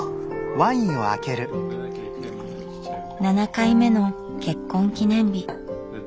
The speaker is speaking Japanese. ７回目の結婚記念日。